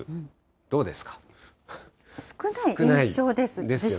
少ない印象です。